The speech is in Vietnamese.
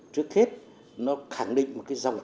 trước hết nó khẳng định một dòng